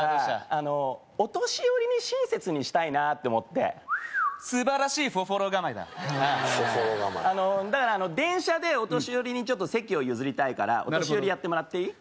あのお年寄りに親切にしたいなって思って素晴らしいフォフォろ構えだあのだから電車でお年寄りにちょっと席を譲りたいからお年寄りやってもらっていい？